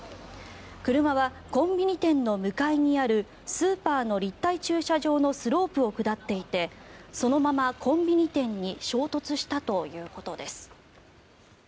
車はコンビニ店の向かいにあるスーパーの立体駐車場のスロープを下っていてそのままコンビニ店に衝突したということです。